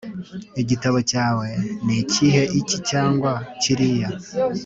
Igitabo cyawe nikihe iki cyangwa kiriya